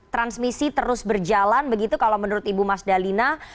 transmisi terus berjalan begitu kalau menurut ibu mas dalina